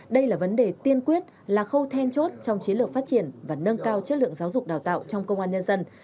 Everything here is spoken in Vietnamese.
đây là vấn đề tiên quyết là khâu then chốt trong chiến lược phát triển và nâng cao chất lượng giáo dục đào tạo trong công an nhân dân